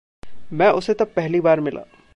मैं उसे तब पहली बार मिला।